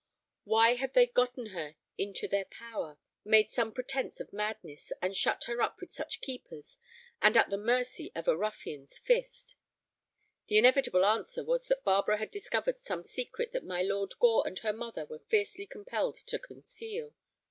Why had they gotten her into their power, made some pretence of madness, and shut her up with such keepers, and at the mercy of a ruffian's fist? The inevitable answer was that Barbara had discovered some secret that my Lord Gore and her mother were fiercely compelled to conceal.